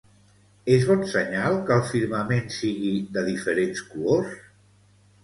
És bon senyal que el firmament sigui de diferents colors?